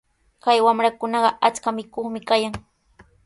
Kay wamrakunaqa achka mikuqmi kayan.